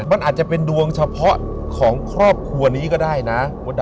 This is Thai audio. มันอาจจะเป็นดวงเฉพาะของครอบครัวนี้ก็ได้นะมดดำ